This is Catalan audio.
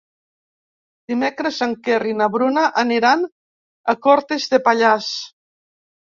Dimecres en Quer i na Bruna aniran a Cortes de Pallars.